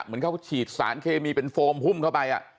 เหมือนเขาฉีดสารเคมีเป็นโฟมหุ้มเข้าไป